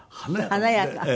華やか。